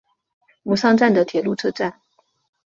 吾桑站的铁路车站。